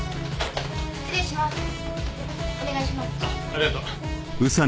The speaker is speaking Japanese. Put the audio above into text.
失礼します。